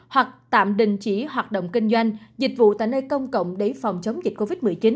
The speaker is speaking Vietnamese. hoặc tạm đình chỉ hoạt động kinh doanh dịch vụ tại nơi công cộng để phòng chống dịch covid một mươi chín